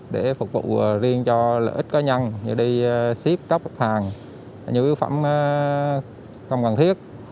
để phục vụ riêng cho lợi ích cá nhân như đi ship cóc hàng nhu yếu phẩm không cần thiết